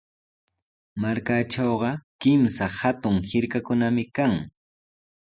Markaatrawqa kimsa hatun hirkakunami kan.